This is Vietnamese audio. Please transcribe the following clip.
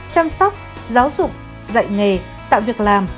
chăm sóc giáo dục dạy nghề tạo việc làm